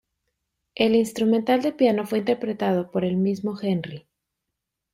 El instrumental de piano fue interpretado por el mismo Henry.